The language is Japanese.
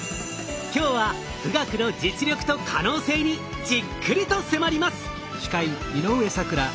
今日は富岳の実力と可能性にじっくりと迫ります。